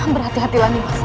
berhati hati lagi mas